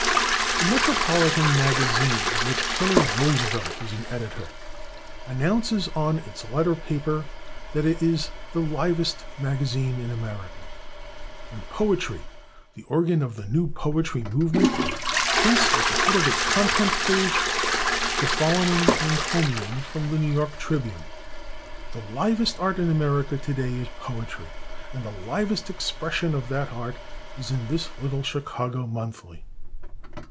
The /Metropolitan Magazine/, of which Col. Roosevelt is an editor, announces on its letter paper that it is "the /livest/ magazine in America," and /Poetry/, the organ of the new poetry movement, prints at the head of its contents page the following encomium from the /New York Tribune/: "the /livest/ art in America today is poetry, and the /livest/ expression of that art is in this little Chicago monthly."